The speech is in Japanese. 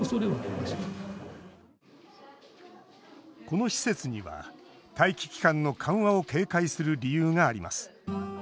この施設には待機期間の緩和を警戒する理由があります。